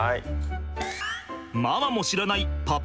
ママも知らない